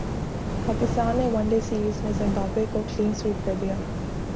پاکستان نے one day series میں Zimbabwe کو کلین سوئپ کردیا